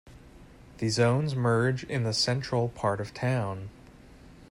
The zones merge in the central part of town.